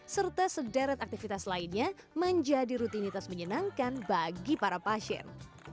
serta sederet aktivitas lainnya menjadi rutinitas menyenangkan bagi para pasien